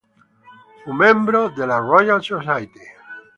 Fu membro della Royal Society.